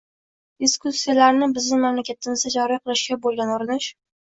diskussiyalarni bizning mamlakatimizda joriy qilishga bo‘lgan urinish